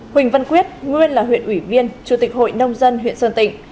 huỳnh văn quyết nguyên là huyện ủy viên chủ tịch hội nông dân huyện sơn tịnh